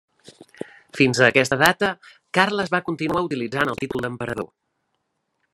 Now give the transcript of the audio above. Fins a aquesta data, Carles va continuar utilitzant el títol d'emperador.